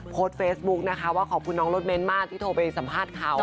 โพสต์เฟซบุ๊กนะคะว่าขอบคุณน้องรถเม้นมากที่โทรไปสัมภาษณ์เขา